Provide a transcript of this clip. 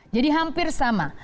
jadi hampir sama